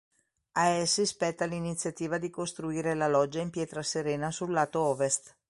A essi spetta l'iniziativa di costruire la loggia in pietra serena sul lato ovest.